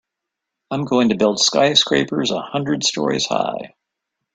I'm going to build skyscrapers a hundred stories high.